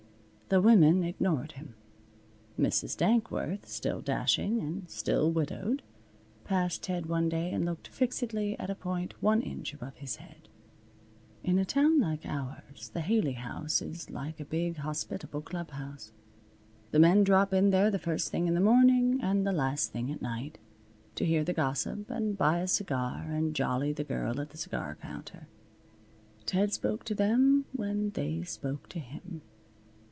The women ignored him. Mrs. Dankworth, still dashing and still widowed, passed Ted one day and looked fixedly at a point one inch above his head. In a town like ours the Haley House is like a big, hospitable clubhouse. The men drop in there the first thing in the morning, and the last thing at night, to hear the gossip and buy a cigar and jolly the girl at the cigar counter. Ted spoke to them when they spoke to him.